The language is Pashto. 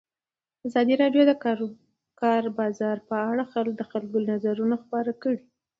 ازادي راډیو د د کار بازار په اړه د خلکو نظرونه خپاره کړي.